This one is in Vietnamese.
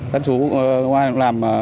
các chú công an cũng làm